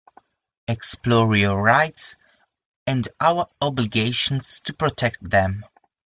Explore your rights and our obligations to protect them.